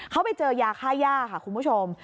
เขาไปเจอยาค่าย่าค่ะคุณผู้ชม